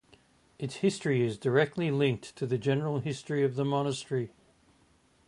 Its history is directly linked to the general history of the monastery.